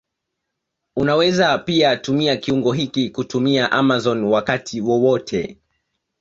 Unaweza pia tumia kiungo hiki kutumia Amazon wakati wowote